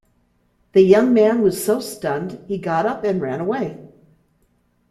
The young man was so stunned he got up and ran away.